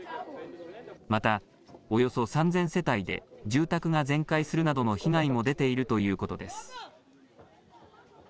またおよそ３０００世帯で住宅が全壊するなどの被害も出ているということです。